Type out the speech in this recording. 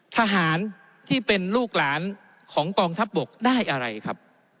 ทหารที่เป็นลูกหลานของกองทัพบกได้อะไรครับ